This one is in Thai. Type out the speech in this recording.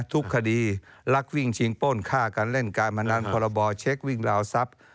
ทุกตัวคดีลักษณ์วิ่งชิงป้นฆ่าการเล่นก้านบาทรรณพระบอบเช็ควิ่งเหลาศัพท์